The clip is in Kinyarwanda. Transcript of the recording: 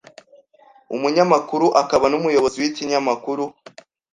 Umunyamakuru akaba n’umuyobozi w’ikinyamakuru